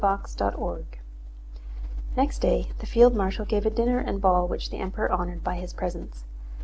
CHAPTER XI Next day the field marshal gave a dinner and ball which the Emperor honored by his presence.